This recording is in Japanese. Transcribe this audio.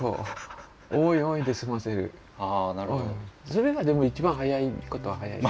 それがでも一番早いことは早い。